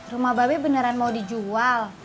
rumah babe beneran mau dijual